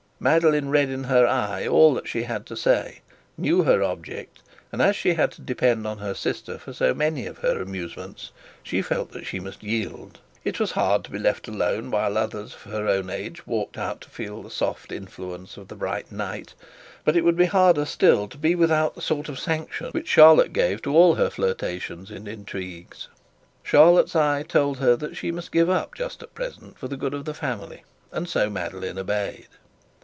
Madeline read in her eye all that she had to say, knew her object, and as she had to depend on her sister for so many of her amusements, she felt that she must yield. It was hard to be left alone while others of her own age walked out to feel the soft influence of the bright night, but it would be harder still without the sort of sanction which Charlotte gave to all her flirtations and intrigues. Charlotte's eye told her that she must give up just at present for the good of the family, and so Madeline obeyed.